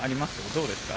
どうですか。